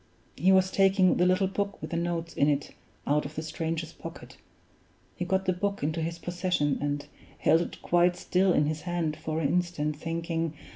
He was taking the little book with the notes in it out of the stranger's pocket. He got the book into his possession, and held it quite still in his hand for an instant, thinking.